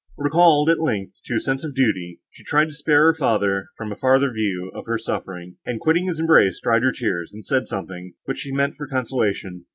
Recalled, at length, to a sense of duty, she tried to spare her father from a farther view of her suffering; and, quitting his embrace, dried her tears, and said something, which she meant for consolation.